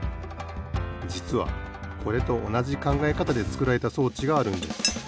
じつはこれとおなじかんがえかたで作られた装置があるんです。